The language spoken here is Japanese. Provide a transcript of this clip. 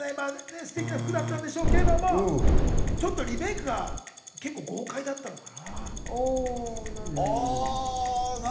ステキな服だったんでしょうけど、ちょっとリメークが豪快だったのかな？